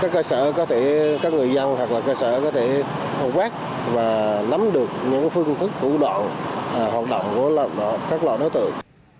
các cơ sở có thể các người dân hoặc là cơ sở có thể quét và nắm được những phương thức thủ đoạn hoạt động của các loại đối tượng